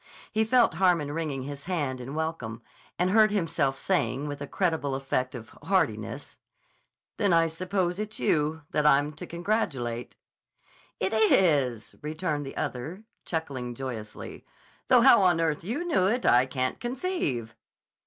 He felt Harmon wringing his hand in welcome and heard himself saying with a creditable affect of heartiness: "Then I suppose it's you that I'm to congratulate." "It is," returned the other, chuckling joyously. "Though how on earth you knew it I can't conceive."